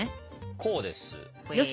こうです。